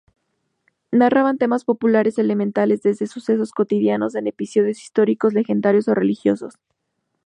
Narraban temas populares elementales, desde sucesos cotidianos a episodios históricos, legendarios o religiosos.